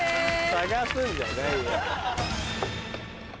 探すんじゃないよ。